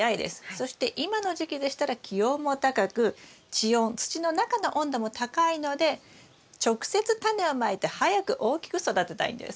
そして今の時期でしたら気温も高く地温土の中の温度も高いので直接タネをまいて早く大きく育てたいんです。